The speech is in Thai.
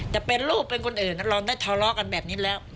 จะเป็นลูกเป็นคนอื่นเราได้ทะเลาะกันแบบนี้แล้ว